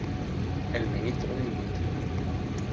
El ministro de Industria.